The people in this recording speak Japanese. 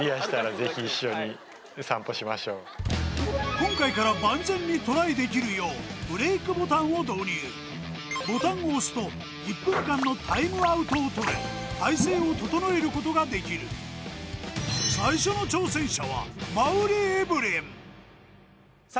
今回から万全にトライできるようボタンを押すと１分間のタイムアウトをとれ体勢を整えることができる最初の挑戦者はさあ